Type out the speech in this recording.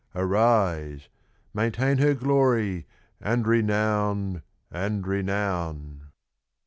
arise! maintain her glory And renown, and renown!